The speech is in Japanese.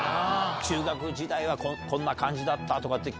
中学時代はこんな感じだったとかって。